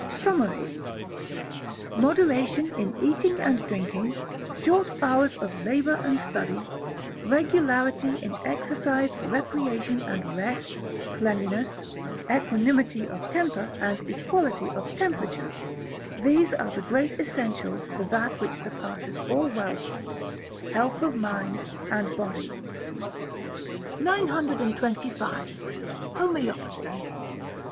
Summary. Moderation in eating and drinking, short hours of labour and study, regularity in exercise, recreation, and rest, cleanliness, equanimity of temper and equality of temperature, these are the great essentials to that which surpasses all wealth, health of mind and body. 925. Homoeopathy.